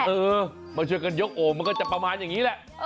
เออมาช่วยกันยกโอ่งมันก็จะประมาณอย่างนี้แหละ